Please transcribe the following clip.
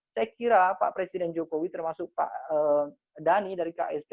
saya kira pak presiden jokowi termasuk pak dhani dari ksp